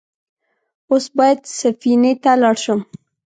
اوس بايد سفينې ته لاړ شم.